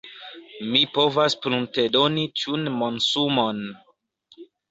Mi povas pruntedoni tiun monsumon.